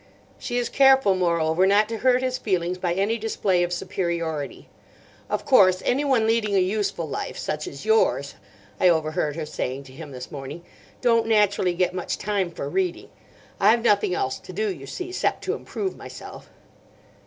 She is careful, moreover, not to hurt his feelings by any display of superiority. 'Of course, anyone leading a useful life, such as yours,' I overheard her saying to him this morning, 'don't naturally get much time for reading. I've nothing else to do, you see, 'cept to improve myself.